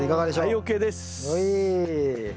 はいＯＫです。